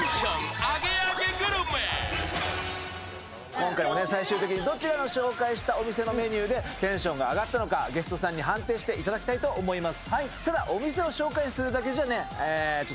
今回も最終的にどちらの紹介したお店のメニューでテンションが上がったのかゲストさんに判定していただきたいと思います。